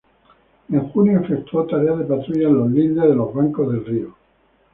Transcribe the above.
En junio efectuó tareas de patrulla en los lindes de los bancos del río.